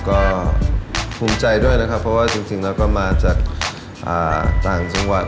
ก็ภูมิใจด้วยนะครับเพราะว่าจริงแล้วก็มาจากต่างจังหวัด